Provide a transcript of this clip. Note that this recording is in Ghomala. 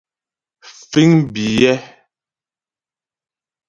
Fíŋ biyɛ́.